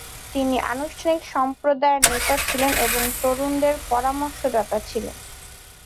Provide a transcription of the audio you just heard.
তিনি অনানুষ্ঠানিক সম্প্রদায় নেতা ছিলেন এবং তরুণদের পরামর্শদাতা ছিলেন।